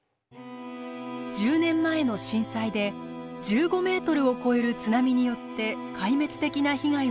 １０年前の震災で１５ｍを超える津波によって壊滅的な被害を受けた宮城県気仙沼市。